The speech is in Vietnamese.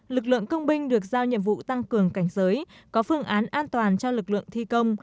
lực lượng công binh được giao nhiệm vụ tăng cường cảnh giới có phương án an toàn cho lực lượng thi công